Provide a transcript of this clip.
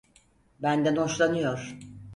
Benden hoşlanıyor.